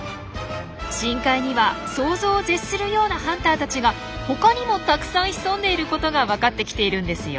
深海には想像を絶するようなハンターたちがほかにもたくさん潜んでいることがわかってきているんですよ。